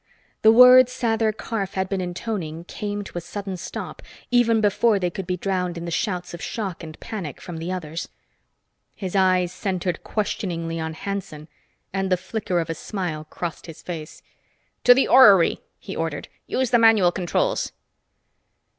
The words Sather Karf had been intoning came to a sudden stop, even before they could be drowned in the shouts of shock and panic from the others. His eyes centered questioningly on Hanson and the flicker of a smile crossed his face. "To the orrery!" he ordered. "Use the manual controls."